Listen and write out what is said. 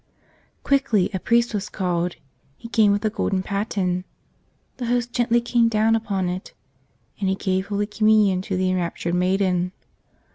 Quickly a priest was called. He came with a golden paten. The Host gently came down upon it. And he gave Holy Communion to the enraptured maiden.